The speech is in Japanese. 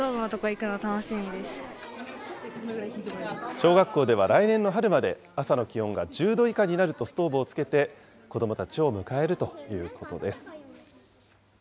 小学校では、来年の春まで、朝の気温が１０度以下になるとストーブをつけて、子どもたちを迎えるということです。